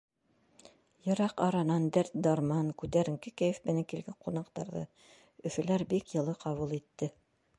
Йыраҡ аранан дәрт-дарман, күтәренке кәйеф менән килгән ҡунаҡтарҙы өфөләр бик йылы ҡабул итте.